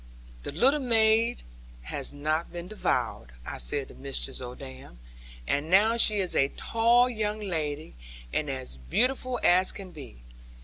'The little maid has not been devoured,' I said to Mistress Odam: 'and now she is a tall young lady, and as beautiful as can be.